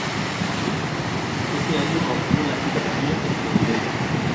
Ese año obtuvo la ciudadanía estadounidense.